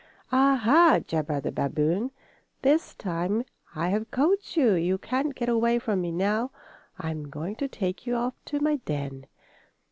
"Ah, ha!" jabbered the babboon. "This time I have caught you. You can't get away from me now. I am going to take you off to my den."